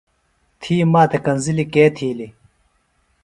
تھی ماتھےۡ کنزِلیۡ کے تھیلیۡ؟